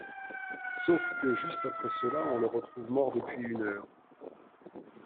Sauf que, juste après cela, on le retrouve mort... depuis une heure.